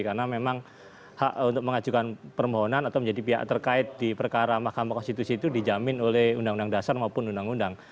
karena memang hak untuk mengajukan permohonan atau menjadi pihak terkait di perkara makam konstitusi itu dijamin oleh undang undang dasar maupun undang undang